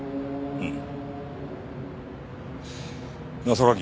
うん。